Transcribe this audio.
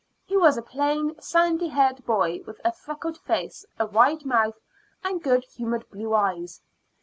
He was a plain, sandy haired boy, with a freckled face, a wide mouth, and good humored blue eyes.